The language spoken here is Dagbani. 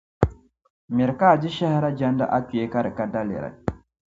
Miri ka a di shahira jɛndi a kpee ka di ka daliri.